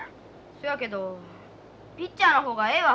そやけどピッチャーの方がええわ。